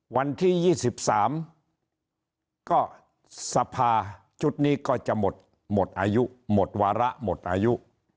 วันที่๒๓ก็สภาชุดนี้ก็จะหมดอายุหมดวาระหมดอายุ